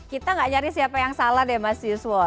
kita gak nyari siapa yang salah deh mas yuswo